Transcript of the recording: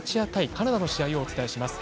カナダの試合をお伝えします。